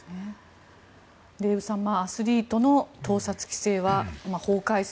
デーブさんアスリートの盗撮規制は法改正